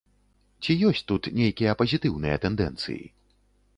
Ці ёсць тут нейкія пазітыўныя тэндэнцыі?